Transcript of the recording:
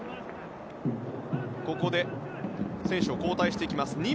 ここで選手を交代していきます。